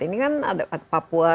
ini kan ada papua